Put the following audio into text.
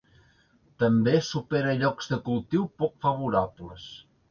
També supera llocs de cultiu poc favorables.